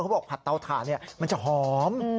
เขาบอกผัดเตาถ่านเนี่ยมันจะหอม